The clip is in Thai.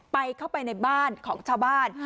เข้าไปในบ้านของชาวบ้าน